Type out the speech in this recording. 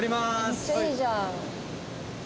めっちゃいいじゃん。